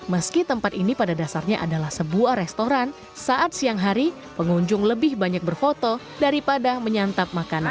meski tempat ini pada dasarnya adalah sebuah restoran saat siang hari pengunjung lebih banyak berfoto daripada menyantap makanan